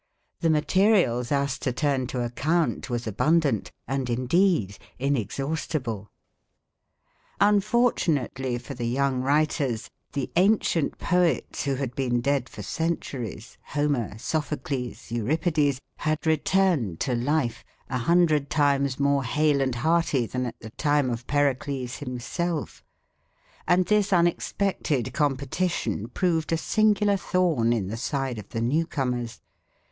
The material thus to turn to account was abundant, and indeed inexhaustible. Unfortunately for the young writers the ancient poets who had been dead for centuries, Homer, Sophocles, Euripides, had returned to life, a hundred times more hale and hearty than at the time of Pericles himself; and this unexpected competition proved a singular thorn in the side of the new comers.